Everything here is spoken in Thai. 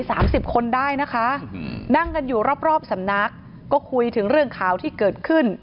สามสิบคนได้นะคะอืมนั่งกันอยู่รอบรอบสำนักก็คุยถึงเรื่องข่าวที่เกิดขึ้น